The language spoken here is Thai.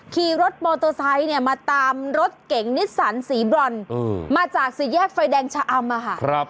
ขี่รถมอเตอร์ไซค์เนี่ยมาตามรถเก่งนิสสันสีบรอนมาจากสี่แยกไฟแดงชะอำมาค่ะ